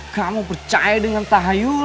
kamu percaya dengan tahayul